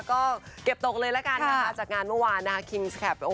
ก็เก็บตกเลยละกันนะคะจากงานเมื่อวานนะคะคิงสแคป